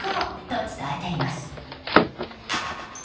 と伝えています。